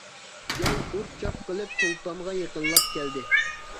جەڭ، ئۇر-چاپ قىلىپ سۇلتانغا يېقىنلاپ كەلدى.